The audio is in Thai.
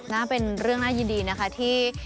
น่าเป็นเรื่องน่ายินดีนะคะที่